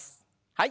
はい。